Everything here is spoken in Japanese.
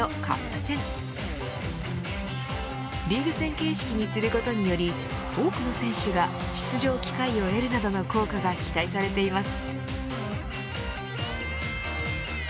形式にすることにより多くの選手が出場機会を得るなどの効果が期待されています。